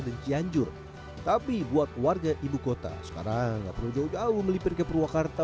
dan cianjur tapi buat warga ibukota sekarang nggak perlu jauh jauh melipir ke purwakarta